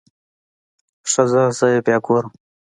ښه ځه زه يې بيا ګورم.